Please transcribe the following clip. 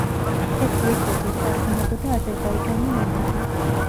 ეს პიესები ითარგმნებოდა აზერბაიჯანულ ენაზე.